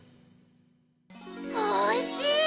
おいしい！